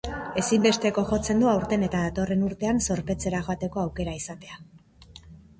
Ezinbesteko jotzen du aurten eta datorren urtean zorpetzera joateko aukera izatea.